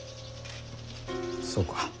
そうか。